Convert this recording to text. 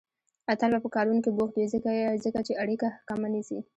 اتل به په کارونو کې بوخت وي، ځکه چې اړيکه کمه نيسي.